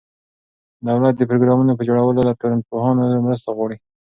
دولت د پروګرامونو په جوړولو کې له ټولنپوهانو مرسته غواړي.